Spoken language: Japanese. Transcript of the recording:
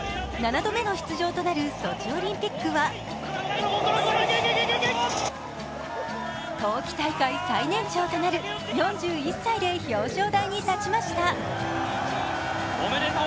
７度目の出場となるソチオリンピックは冬季大会最年長となる４１歳で表彰台に立ちました。